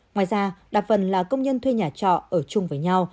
ngoài ra đa phần là công nhân thuê nhà trọ ở chung với nhau